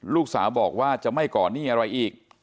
ลูกสาวบอกว่าจะไม่ก่อนหนี้อะไรอีก